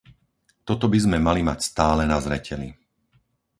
Toto by sme mali mať stále na zreteli.